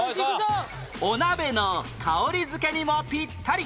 お鍋の香りづけにもピッタリ！